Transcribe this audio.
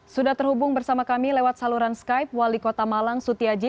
sudah terhubung bersama kami lewat saluran skype wali kota malang sutiaji